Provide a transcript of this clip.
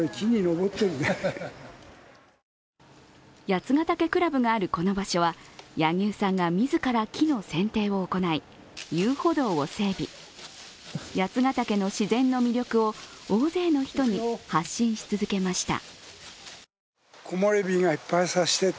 八ヶ岳倶楽部があるこの場所は柳生さんが自ら木のせんていを行い、遊歩道を整備、八ヶ岳の自然の魅力を大勢の人に発信し続けました。